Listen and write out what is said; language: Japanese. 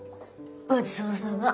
ごちそうさま。